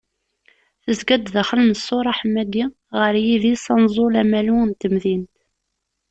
Tezga-d daxel n ssur aḥemmadi ɣer yidis Anẓul-Amalu n temdint.